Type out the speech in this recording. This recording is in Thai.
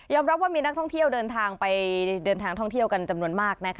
รับว่ามีนักท่องเที่ยวเดินทางไปเดินทางท่องเที่ยวกันจำนวนมาก